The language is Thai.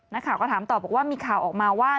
นักข่าวก็ถามต่อบอกว่ามีข่าวออกมาว่า